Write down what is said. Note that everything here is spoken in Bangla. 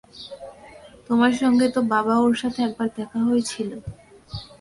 তোমার সঙ্গে তো বাবা ওঁর সাথে একবার দেখা হয়েছিল।